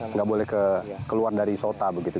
nggak boleh keluar dari sota begitu